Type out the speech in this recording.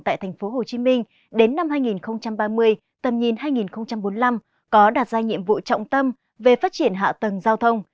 tại tp hcm đến năm hai nghìn ba mươi tầm nhìn hai nghìn bốn mươi năm có đạt ra nhiệm vụ trọng tâm về phát triển hạ tầng giao thông